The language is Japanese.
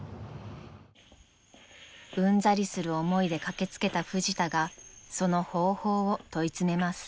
［うんざりする思いで駆け付けたフジタがその方法を問い詰めます］